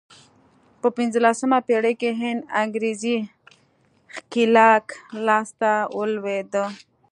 په پنځلسمه پېړۍ کې هند انګرېزي ښکېلاک لاس ته ولوېد.